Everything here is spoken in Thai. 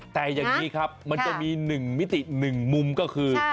แต่อย่างนี้ครับมันจะมี๑มิติ๑มุมก็คือ